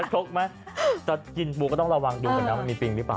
ชกไหมจะกินปูก็ต้องระวังดูก่อนนะมันมีปิงหรือเปล่า